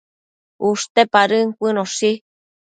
ushte padën cuënoshi